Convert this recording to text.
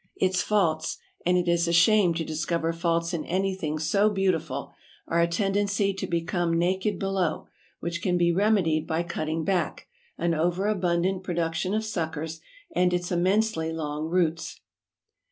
Its faults, and it is a shame to discover faults in anything so beautiful, are a tendency to become naked below, which can be remedied by cutting back, an over abundant production of suckers, and its immensely long roots.